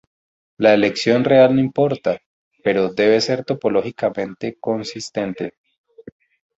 La elección real no importa, pero debe ser topológicamente consistente.